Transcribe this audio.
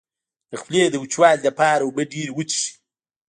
د خولې د وچوالي لپاره اوبه ډیرې وڅښئ